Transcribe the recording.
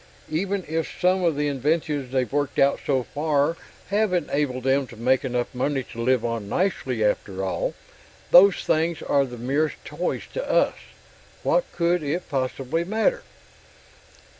Even if some of the inventions they've worked out so far have enabled them to make enough money to live on nicely after all, those things are the merest toys to us what could it possibly matter?"